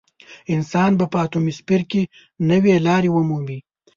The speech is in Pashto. انسان به په اتموسفیر کې نوې لارې مومي.